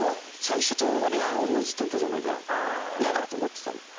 最初と終わりは同じテンポじゃなきゃ嫌だと思ってたの。